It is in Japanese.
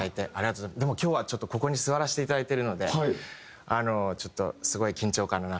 でも今日はちょっとここに座らせていただいてるのでちょっとすごい緊張感の中で。